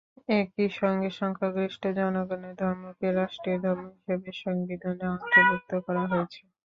একই সঙ্গে সংখ্যাগরিষ্ঠ জনগণের ধর্মকে রাষ্ট্রের ধর্ম হিসেবে সংবিধানে অন্তর্ভুক্ত করা হয়েছে।